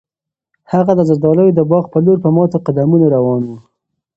هغه د زردالیو د باغ په لور په ماتو قدمونو روان و.